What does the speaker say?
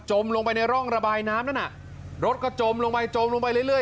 ลงไปในร่องระบายน้ำนั่นน่ะรถก็จมลงไปจมลงไปเรื่อย